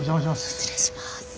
失礼します。